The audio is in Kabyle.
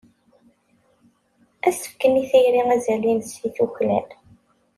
Ad as-fken i tayri azal-ines i tuklal.